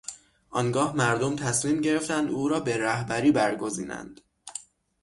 آنگاه مردم تصمیم گرفتند او را به رهبری برگزینند.